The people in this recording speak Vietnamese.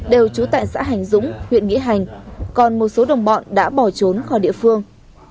đều trú tại xã hành dũng huyện nghĩa hành còn một số đồng bọn đã bỏ trốn khỏi địa phương